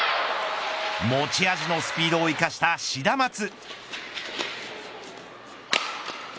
持ち味のスピードを生かしたシダマツ。